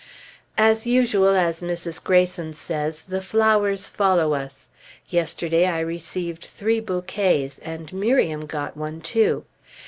As usual, as Mrs. Greyson says, the flowers follow us; yesterday I received three bouquets, and Miriam got one too.